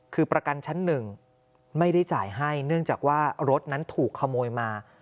คือประกันชั้นหนึ่งไม่ได้จ่ายให้เนื่องจากว่ารถนั้นถูกขโมยมา